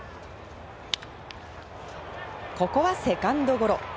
ここはセカンドゴロ。